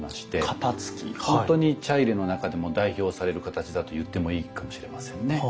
本当に茶入の中でも代表される形だと言ってもいいかもしれませんね。